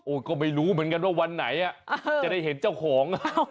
ก็ไม่รู้เหมือนกันว่าวันไหนจะได้เห็นเจ้าของ